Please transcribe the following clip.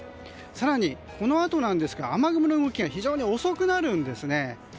更に、このあと雨雲の動きが非常に遅くなるんです。